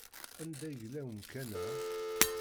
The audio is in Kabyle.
Anda yella umkan-a?